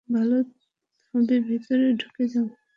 ভালো হবে ভিতরে ঢুকে যাও।